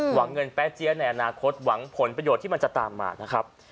หวังเงินแป๊เจี๊ยในอนาคตหวังผลประโยชน์ที่มันจะตามมานะครับ